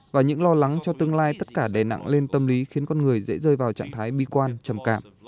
và những lo lắng cho tương lai tất cả đè nặng lên tâm lý khiến con người dễ rơi vào trạng thái bi quan trầm cảm